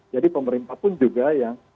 jadi pemerintah pun juga yang